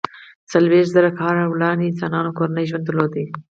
څلویښت زره کاله وړاندې انسانانو کورنی ژوند درلود.